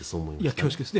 恐縮です。